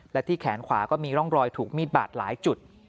และที่แขนขวาก็มีร่องรอยถูกมีดบาดหลายจุด